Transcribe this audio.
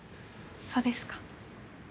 そうですか。